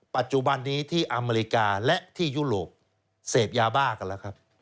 ปัจจุบันนี้ที่อเมริกาและที่ยุโรปเสพยาบ้ากันแล้วครับ